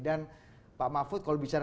dan pak mahfud kalau bicara